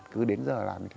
cứ đến giờ làm như thế